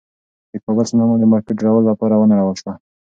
د کابل سینما د مارکېټ جوړولو لپاره ونړول شوه.